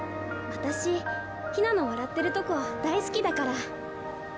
私陽菜の笑ってるとこ大好きだから。